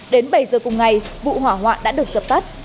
đến bảy giờ cùng ngày vụ hỏa hoạn đã được dập tắt